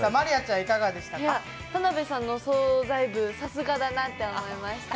田辺さんの総菜部、さすがだなって思いました。